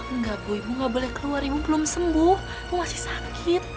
enggak bu ibu gak boleh keluar ibu belum sembuh aku masih sakit